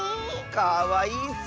かわいい。